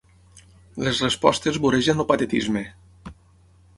Les respostes voregen el patetisme.